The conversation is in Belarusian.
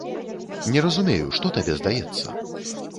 Не разумею, што табе здаецца?